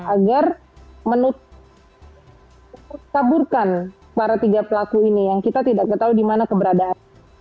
agar menutupkan para tiga pelaku ini yang kita tidak tahu di mana keberadaan